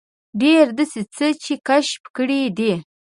ډېر داسې څه یې کشف کړي دي.